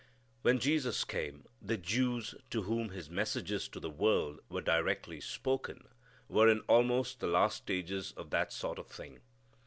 When Jesus came, the Jews, to whom His messages to the world were directly spoken, were in almost the last stages of that sort of thing.